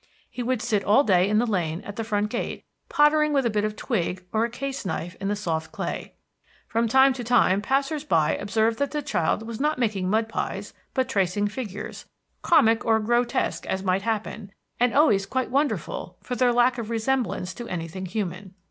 He would sit all day in the lane at the front gate pottering with a bit of twig or a case knife in the soft clay. From time to time passers by observed that the child was not making mud pies, but tracing figures, comic or grotesque as might happen, and always quite wonderful for their lack of resemblance to anything human.